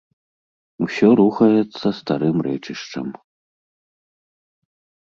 Усё рухаецца старым рэчышчам.